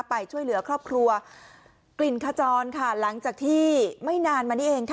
ไปช่วยเหลือครอบครัวกลิ่นขจรค่ะหลังจากที่ไม่นานมานี้เองค่ะ